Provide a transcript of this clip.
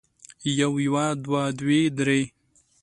يو يوه دوه دوې درې